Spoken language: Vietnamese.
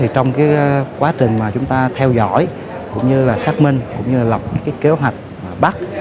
trong quá trình mà chúng ta theo dõi cũng như xác minh cũng như lập kế hoạch bắt